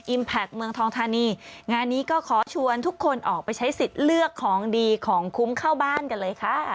แพคเมืองทองธานีงานนี้ก็ขอชวนทุกคนออกไปใช้สิทธิ์เลือกของดีของคุ้มเข้าบ้านกันเลยค่ะ